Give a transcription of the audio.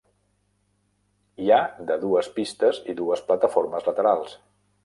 Hi han de dues pistes i dues plataformes laterals.